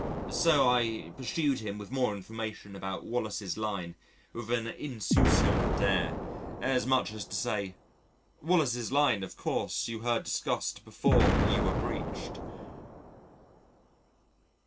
So I pursued him with more information about "Wallace's Line," with an insouciant air, as much as to say, "Wallace's Line of course you heard discussed before you were breached."